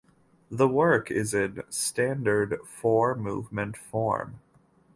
The work is in standard four-movement form.